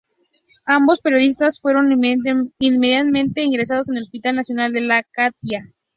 Ambos periodistas fueron inmediatamente ingresados en el Hospital Nacional de Latakia.